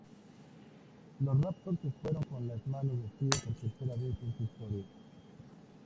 Los Raptors se fueron con las manos vacías por tercera vez en su historia.